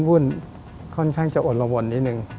โยเมโลค่อนข้างจะโะละวนนิดนึง